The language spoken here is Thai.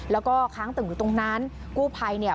แล้วก็ค้างตึงอยู่ตรงนั้นกู้ภัยเนี่ย